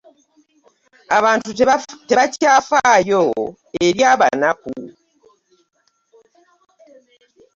abantu tebkyafaayo eri abanaku